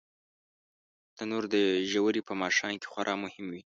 تنور د روژې په ماښام کې خورا مهم وي